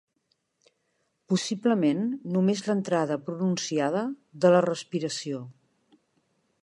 Possiblement només l'entrada pronunciada de la respiració.